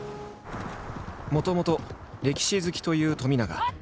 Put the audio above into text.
もともと歴史好きという冨永。